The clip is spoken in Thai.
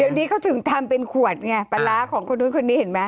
เดี๋ยวนี้เขาถึงทำเป็นขวดไงปลาร้าของคนนู้นคนนี้เห็นไหม